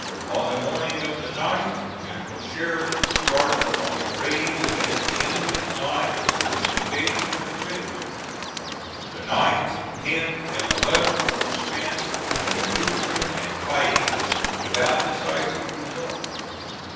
On the morning of the 9th, General Sheridan started on a raid against the enemy's lines of communication with Richmond. The 9th, 10th, and 11th were spent in manoeuvring and fighting, without decisive results.